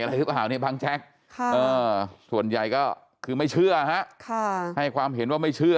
อะไรหรือเปล่าบางแจ็คส่วนใหญ่ก็คือไม่เชื่อให้ความเห็นว่า